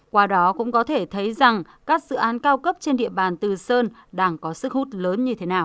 qua đó cũng có thể thấy rằng các dự án cao cấp trên địa bàn từ sơn đang có sức hút lớn như thế nào